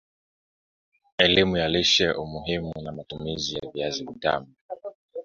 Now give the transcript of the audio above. Elimu ya Lishe Umuhimu na Matumizi ya Viazi Vitamu